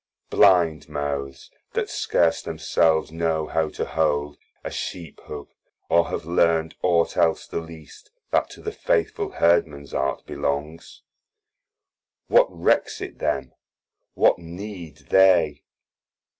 Blind mouthes! that scarce themselves know how to hold A Sheep hook, or have learn'd ought els the least That to the faithfull Herdmans art belongs! What recks it them? What need they?